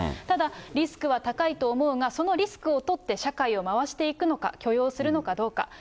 ただ、リスクは高いと思うが、そのリスクを取って、社会を回していくのか、許容するのかどうか。